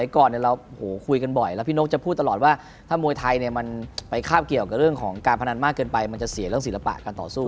ก็จะสูญเนื้อการศิลปะการต่อสู้